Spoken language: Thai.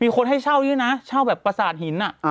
มีคนให้เช่าเที่ยวนะเส้าแบบปศาสตร์หิน